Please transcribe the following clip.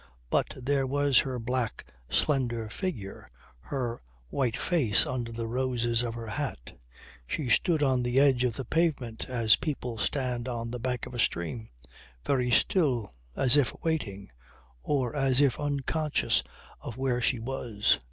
But there was her black slender figure, her white face under the roses of her hat. She stood on the edge of the pavement as people stand on the bank of a stream, very still, as if waiting or as if unconscious of where she was.